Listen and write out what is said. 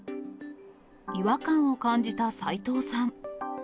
違和感を感じた斎藤さん。